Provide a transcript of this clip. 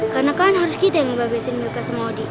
karena kan harus kita yang ngebabesin miliknya sama odi